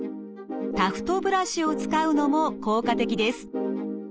タフトブラシを使うのも効果的です。